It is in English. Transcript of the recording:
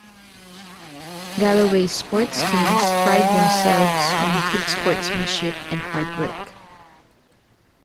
Galloway's sports teams pride themselves on good sportsmanship and hard work.